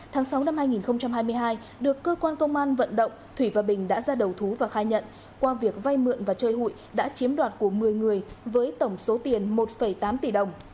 tháng sáu năm hai nghìn hai mươi hai được cơ quan công an vận động thủy và bình đã ra đầu thú và khai nhận qua việc vay mượn và chơi hụi đã chiếm đoạt của một mươi người với tổng số tiền một tám tỷ đồng